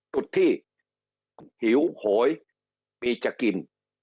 จุดที่หิวโหยมีจะกิน